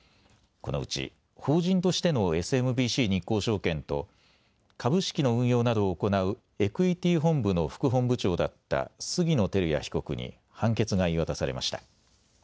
このうち法人としてのＳＭＢＣ日興証券と株式の運用などを行うエクイティ本部の副本部長だった杉野輝也被告に判決が言い渡されました。